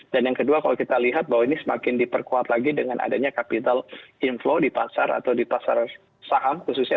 dan yang kedua kalau kita lihat ini semakin diperkuat lagi dengan adanya capital inflow di pasar atau di pasar saham khususnya